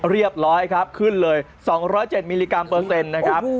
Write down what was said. เรียบร้อยครับขึ้นเลย๒๐๗มิลลิกรัมเปอร์เซ็นต์นะครับ